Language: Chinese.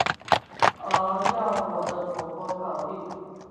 而要我的婆婆考虑！